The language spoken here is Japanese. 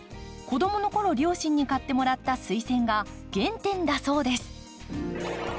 子供の頃両親に買ってもらったスイセンが原点だそうです。